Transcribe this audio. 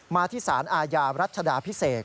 มาที่สารอาญารัชดาพิเศษ